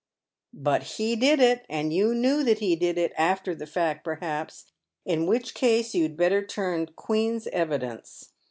" But he did it, and you knew that he did it, — after the fact, perhaps, in which case you'd better turn Queen's evidence.